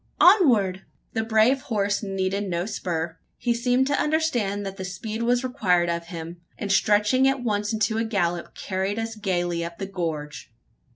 onward!" The brave horse needed no spur. He seemed to understand that speed was required of him; and, stretching at once into a gallop, carried us gaily up the gorge.